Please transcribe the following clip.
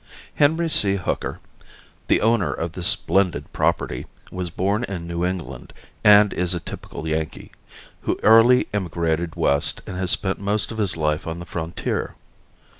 Henry C. Hooker, the owner of this splendid property, was born in New England and is a typical Yankee, who early emigrated west and has spent most of his life on the frontier.